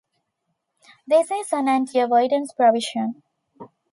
This is an anti-avoidance provision.